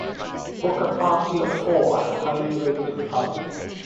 book a party of four at a highly rated pub